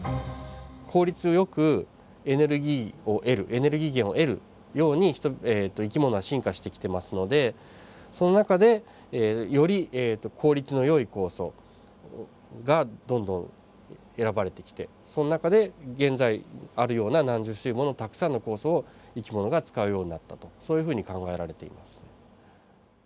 効率よくエネルギーを得るエネルギー源を得るように生き物は進化してきてますのでその中でより効率のよい酵素がどんどん選ばれてきてその中で現在あるような何十種類ものたくさんの酵素を生き物が使うようになったとそういうふうに考えられています。